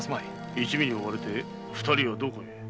一味に追われて二人はどこへ？